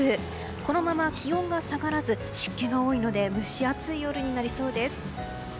このまま気温が下がらず湿気が多いので蒸し暑い夜になりそうです。